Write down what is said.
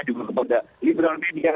di kalangan liberal media